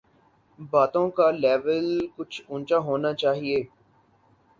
باتوں کا لیول کچھ اونچا ہونا چاہیے۔